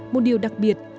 một điều đặc biệt